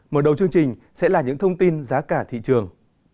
mở đầu chương trình sẽ là những thông tin giá cả thị trường